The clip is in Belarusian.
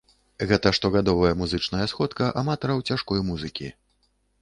Гэта штогадовая музычная сходка аматараў цяжкой музыкі.